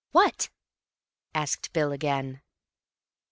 "What?" asked Bill again.